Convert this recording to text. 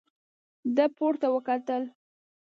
ده پورته وکتل.